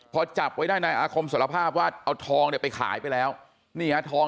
พอจับไว้ได้ในอาคมสารภาพว่าเอาทองไปขายไปแล้วเนี่ยทอง